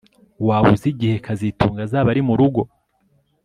Waba uzi igihe kazitunga azaba ari murugo